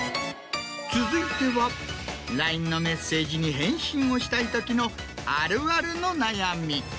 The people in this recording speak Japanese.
続いてはＬＩＮＥのメッセージに返信をしたいときのあるあるの悩み。